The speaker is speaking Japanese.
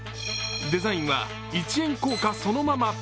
デザインは一円硬貨そのまま。